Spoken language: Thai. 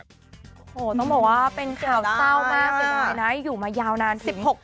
โอ้โหต้องบอกว่าเป็นข่าวเศร้ามากไปเลยนะอยู่มายาวนาน๑๖ปี